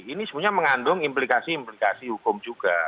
ini sebenarnya mengandung implikasi implikasi hukum juga